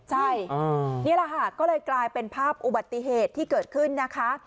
ใช่นี่แหละค่ะก็เลยกลายเป็นภาพอุบัติเหตุที่เกิดขึ้นนะคะ